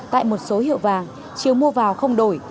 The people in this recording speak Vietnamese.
tại một số hiệu vàng chiều mua vào không đổi